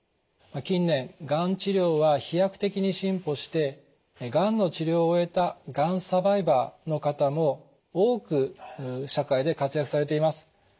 近年がん治療は飛躍的に進歩してがんの治療を終えたがんサバイバーの方も多く社会で活躍されています。